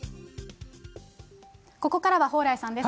ここからは蓬莱さんです。